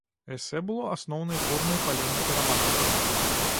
Эсэ было асноўнай формай палемікі рамантыкаў.